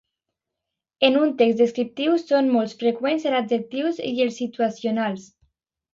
En un text descriptiu, són molt freqüents els adjectius i els situacionals.